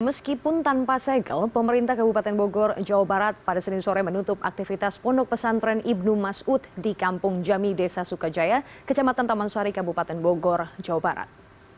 meskipun tanpa segel pemerintah kabupaten bogor jawa barat pada senin sore menutup aktivitas pondok pesantren ibn masud di kampung jami desa sukajaya kecamatan taman sari kabupaten bogor jawa barat